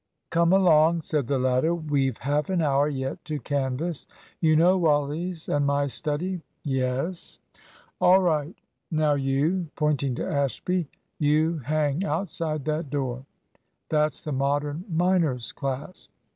"Come along," said the latter. "We've half an hour yet to canvass. You know Wally's and my study?" "Yes." "All right; now you," pointing to Ashby, "you hang outside that door. That's the Modern minors' class.